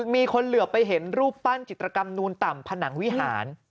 มีคนเหลือไปเห็นรูปปั้นจิตรกรรมนูนต่ำผนังวิหาร